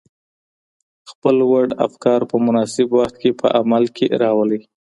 خپل لوړ افکار په مناسب وخت کي په عمل کي راولئ.